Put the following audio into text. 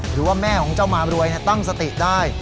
หรือว่าแม่ของเจ้ามารวยตั้งสติได้